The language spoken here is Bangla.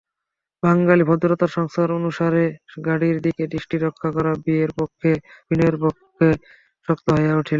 বাঙালি ভদ্রতার সংস্কার অনুসারে গাড়ির দিকে দৃষ্টি রক্ষা করা বিনয়ের পক্ষে শক্ত হইয়া উঠিল।